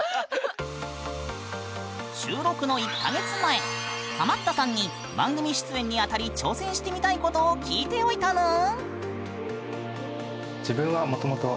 収録の１か月前ハマったさんに番組出演にあたり挑戦してみたいことを聞いておいたぬん！